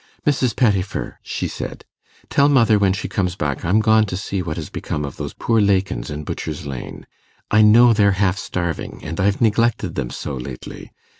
'Mrs. Pettifer,' she said, 'tell mother, when she comes back, I'm gone to see what has become of those poor Lakins in Butchers Lane. I know they're half starving, and I've neglected them so, lately.